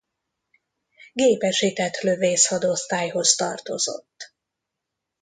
Gépesített Lövészhadosztályhoz tartozott.